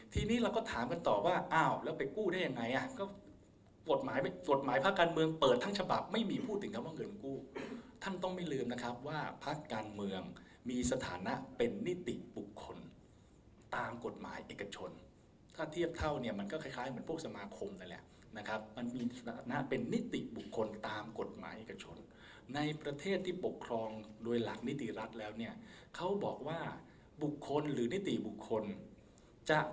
ทีนี้เราก็ถามกันต่อว่าอ้าวแล้วไปกู้ได้ยังไงอ่ะก็กฎหมายภาคการเมืองเปิดทั้งฉบับไม่มีพูดถึงคำว่าเงินกู้ท่านต้องไม่ลืมนะครับว่าภาคการเมืองมีสถานะเป็นนิติบุคคลตามกฎหมายเอกชนถ้าเทียบเท่าเนี้ยมันก็คล้ายเหมือนพวกสมาคมนั่นแหละนะครับมันมีสถานะเป็นนิติบุคคลตามกฎหมายเอกช